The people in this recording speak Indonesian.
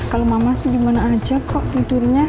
kalau mama sih gimana aja kok tidurnya